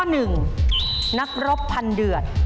ข้อหนึ่งนักรบพันเดือด